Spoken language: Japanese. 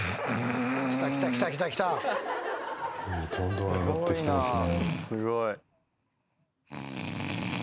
どんどん上がってきてますね。